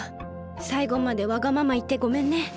さいごまでわがままいってごめんね。